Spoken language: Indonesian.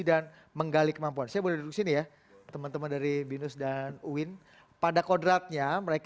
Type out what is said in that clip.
terima kasih rempongan dari pak hakim